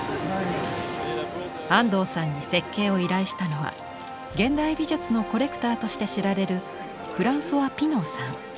安藤さんに設計を依頼したのは現代美術のコレクターとして知られるフランソワ・ピノーさん。